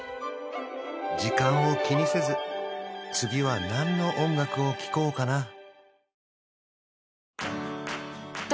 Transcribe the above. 時間を気にせず次は何の音楽をきこうかな